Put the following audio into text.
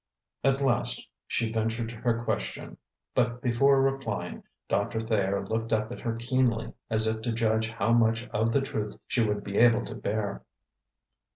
At last she ventured her question; but before replying Doctor Thayer looked up at her keenly, as if to judge how much of the truth she would be able to bear.